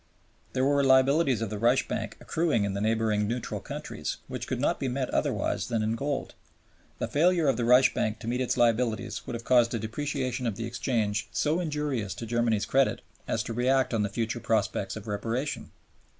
There were liabilities of the Reichsbank accruing in the neighboring neutral countries, which could not be met otherwise than in gold. The failure of the Reichsbank to meet its liabilities would have caused a depreciation of the exchange so injurious to Germany's credit as to react on the future prospects of Reparation.